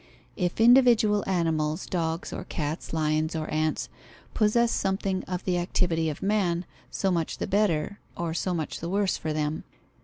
If individual animals, dogs or cats, lions or ants, possess something of the activity of man, so much the better, or so much the worse for them.